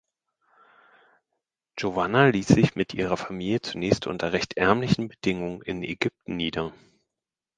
Giovanna ließ sich mit ihrer Familie zunächst unter recht ärmlichen Bedingungen in Ägypten nieder.